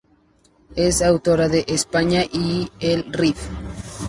Es autora de "España y el Rif.